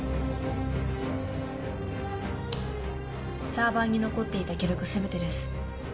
サーバーに残っていた記録全てです